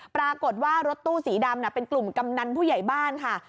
ปรากฏว่ารถตู้สีดำเป็นกลุ่มกำนันผู้ใหญ่บ้านค่ะ